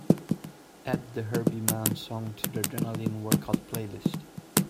Add the Herbie Mann song to the Adrenaline Workout playlist.